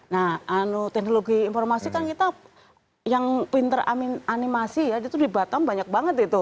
nah teknologi informasi kan kita yang pinter animasi ya itu di batam banyak banget itu